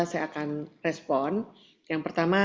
saya akan respon yang pertama